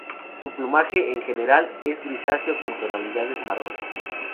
Su plumaje en general es grisáceo con tonalidades marrón.